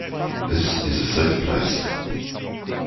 This is a safe place.